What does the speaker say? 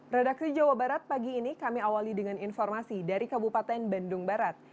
redaksi jawa barat pagi ini kami awali dengan informasi dari kabupaten bandung barat